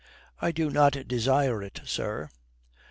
"I do not desire it, sir."